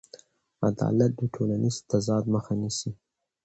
عدالت د ټولنیز تضاد مخه نیسي.